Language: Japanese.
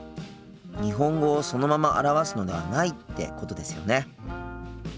日本語をそのまま表すのではないってことですよね？